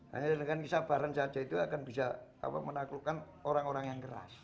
hanya dengan kesabaran saja itu akan bisa menaklukkan orang orang yang keras